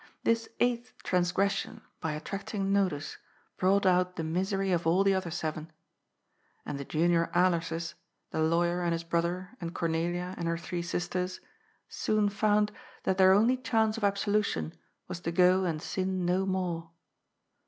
This eighth transgression, by attracting notice, brought out the misery of all the other seven. And the junior Alerses, the lawyer and his brother and Cornelia and her three sisters, soon found that their 160 GOD'S POOL. ^ only chance of absolation was to go and sin no more.